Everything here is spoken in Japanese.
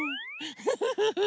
フフフフ。